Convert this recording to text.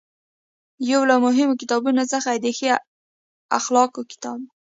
یو له مهمو کتابونو څخه یې د ښې اخلاقو کتاب دی.